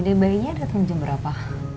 dari bayinya datang jam berapa